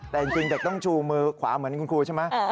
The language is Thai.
แต่จริงเด็กต้องชูมือขวาเหมือนคุณครูใช่ไหม